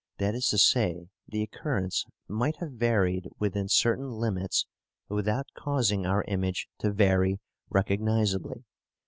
That is to say, the occurrence might have varied within certain limits without causing our image to vary recognizably.